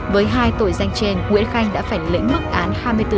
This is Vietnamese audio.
với hai tội danh trên nguyễn khanh đã phải lĩnh mức án hai mươi bốn năm tù